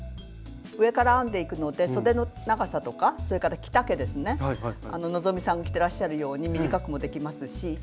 上から編んでいくのでそでの長さとかそれから着丈ですね希さん着てらっしゃるように短くもできますし。